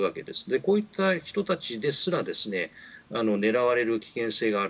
こういった人たちですら狙われる危険性がある。